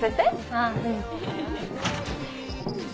あぁうん。